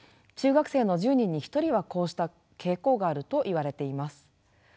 中学生の１０人に１人はこうした傾向があるといわれています。